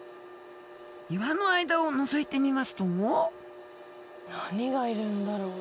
岩の間をのぞいてみますと何がいるんだろう？